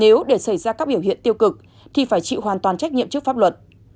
nếu để xảy ra các biểu hiện tiêu cực thì phải chịu hoàn toàn trách nhiệm trước pháp luật